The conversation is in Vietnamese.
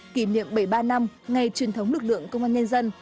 kỷ niệm bảy mươi ba năm ngày truyền thống lực lượng công an nhân dân